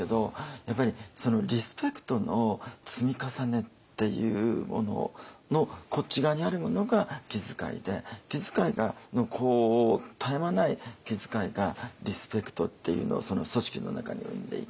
やっぱりリスペクトの積み重ねっていうもののこっち側にあるものが気遣いで気遣いの絶え間ない気遣いがリスペクトっていうのを組織の中に生んでいき